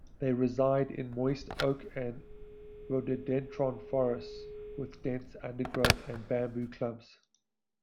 They reside in moist oak and rhododendron forests with dense undergrowth and bamboo clumps.